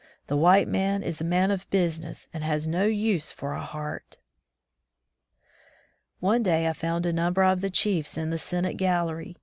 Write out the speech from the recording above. The white man is a man of business, and has no use for a heart." One day, I found a number of the chiefs in the Senate gallery.